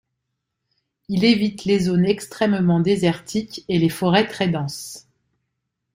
Il évite les zones extrêmement désertiques et les forêts très dense.